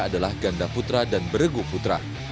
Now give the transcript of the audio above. adalah ganda putra dan beregu putra